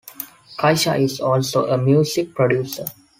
Kaysha is also a music producer.